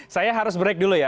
saya harus break dulu ya